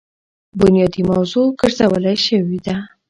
بنيادي موضوع ګرځولے شوې ده.